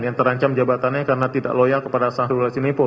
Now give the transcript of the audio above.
yang terancam jabatannya karena tidak loyal kepada sahur oleh sirimpo